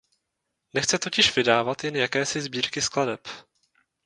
Nechce totiž vydávat jen jakési sbírky skladeb.